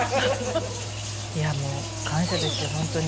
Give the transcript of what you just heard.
いやもう、感謝ですよ、本当に。